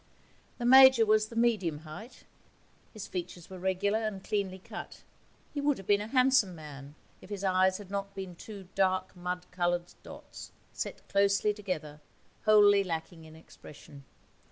The Major was the medium height; his features were regular and cleanly cut. He would have been a handsome man if his eyes had not been two dark mud coloured dots, set close together, wholly lacking in expression.